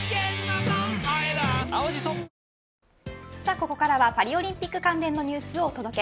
ここからはパリオリンピック関連のニュースをお届け。